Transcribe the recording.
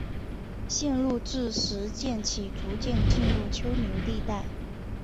线路自石涧起逐渐进入丘陵地带。